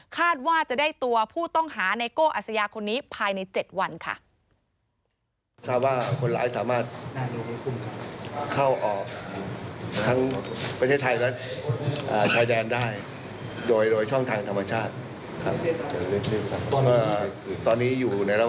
คาดว่าจะได้ตัวผู้ต้องหาในโก้อัศยาคนนี้